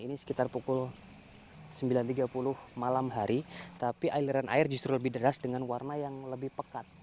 ini sekitar pukul sembilan tiga puluh malam hari tapi aliran air justru lebih deras dengan warna yang lebih pekat